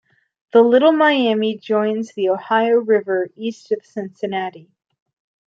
The Little Miami joins the Ohio River east of Cincinnati.